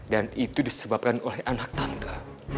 dan itu disebabkan oleh anak tante